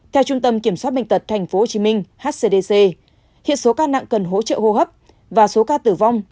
theo trung tâm kiểm soát bệnh tật tp hcm hcdc hiện số ca nặng cần hỗ trợ hô hấp và số ca tử vong